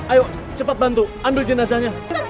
ayo cepat bantu ambil jenazahnya